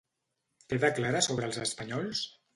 Què declara sobre els espanyols?